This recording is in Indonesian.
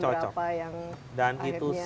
berapa yang dan itu